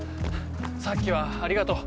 さっきはありがとう。